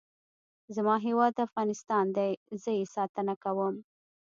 زما هیواد افغانستان دی. زه یې ساتنه کوم.